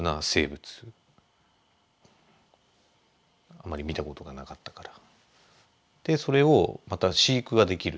あんまり見たことがなかったから。